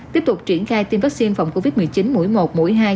tiếp tục triển khai tiêm vaccine phòng covid một mươi chín mũi một mũi hai